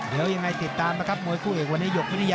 เดี๋ยวยังไงติดตามมาครับมวยคู่เอกวันนี้